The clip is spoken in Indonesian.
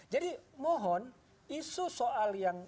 jadi mohon isu soal yang